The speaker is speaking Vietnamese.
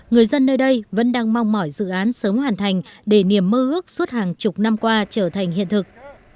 người dân nơi đây vẫn đang mong mỏi dự án sớm hoàn thành để niềm mơ ước suốt hàng chục năm qua trở thành hiện thực